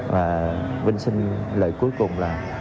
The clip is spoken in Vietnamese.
và vinh xin lời cuối cùng là